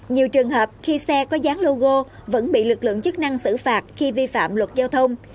nhiều trường hợp khi xe có dán logo vẫn bị lực lượng chức năng xử phạt khi vi phạm luật giao thông